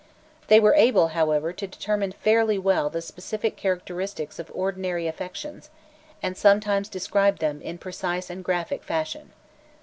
They were able, however, to determine fairly well the specific characteristics of ordinary affections, and sometimes described them in a precise and graphic fashion.